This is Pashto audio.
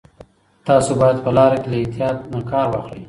تاسو باید په لاره کې له احتیاط نه کار واخلئ.